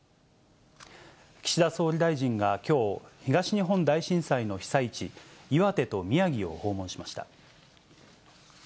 岸田総理大臣がきょう、東日本大震災の被災地、岩手と宮城を訪問しました。